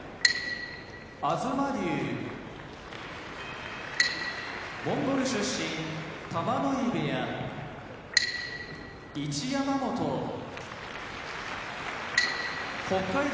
東龍モンゴル出身玉ノ井部屋一山本北海道